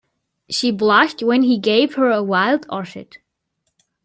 She blushed when he gave her a white orchid.